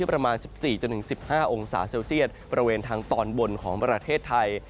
ประมาณ๑๔๑๕องศาเซลเซียตบริเวณทางตอนบนของประเทศไทย